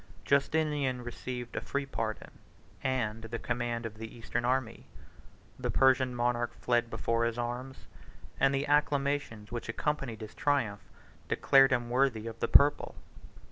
Justinian received a free pardon, and the command of the eastern army. The Persian monarch fled before his arms; and the acclamations which accompanied his triumph declared him worthy of the purple.